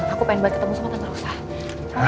aku pengen banget ketemu sama tante rosa